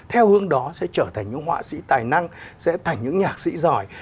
theo hướng đó sẽ trở thành những họa sĩ tài năng sẽ thành những nhạc sĩ giỏi